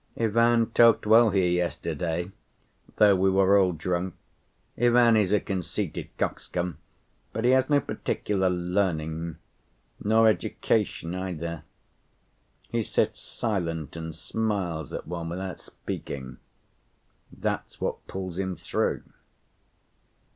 Ivan talked well here yesterday, though we were all drunk. Ivan is a conceited coxcomb, but he has no particular learning ... nor education either. He sits silent and smiles at one without speaking—that's what pulls him through."